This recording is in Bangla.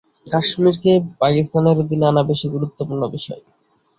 কাশ্মিরকে পাকিস্তানের অধীনে আনা বেশি গুরুত্বপূর্ণ বিষয়।